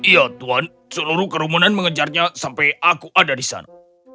iya tuhan seluruh kerumunan mengejarnya sampai aku ada di sana